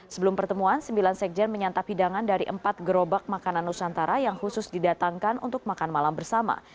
sebelum pertemuan sembilan sekjen menyantap hidangan dari empat gerobak makanan nusantara yang khusus didatangkan untuk makan malam bersama